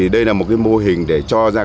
đây là một mô hình để cho ra